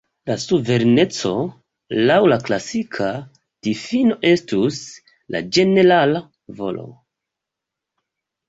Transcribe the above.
La Suvereneco laŭ la klasika difino estus la ĝenerala volo.